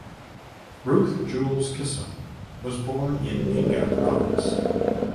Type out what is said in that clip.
Ruth Jewels Kissam was born in Enga Province.